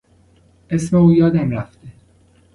اسم او یادم رفته.